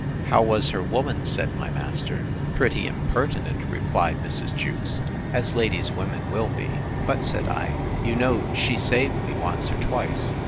How was her woman? said my master. Pretty impertinent, replied Mrs. Jewkes, as ladies' women will be. But, said I, you know she saved me once or twice.